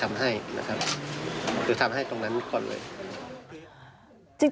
จะทำให้ตรงนั้นก่อนเลย